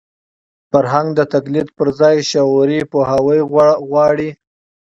فرهنګ د تقلید پر ځای شعوري پوهاوی غواړي.